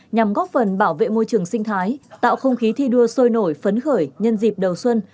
nhằm góp phần bảo vệ môi trường sinh thái tạo không khí thi đua sôi nổi phấn khởi nhân dịp đầu xuân